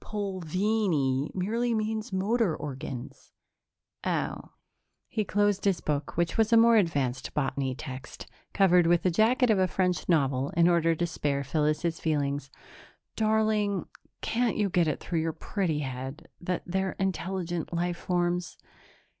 "Pulvini merely means motor organs." "Oh." He closed his book, which was a more advanced botany text, covered with the jacket of a French novel in order to spare Phyllis's feelings. "Darling, can't you get it through your pretty head that they're intelligent life forms?